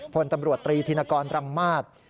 ผลตำรวจตรีธินกรรมมาศ